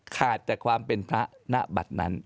ขาดแต่ความเป็นพระณบัตรนั้น